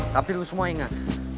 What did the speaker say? tapi lu semua ingat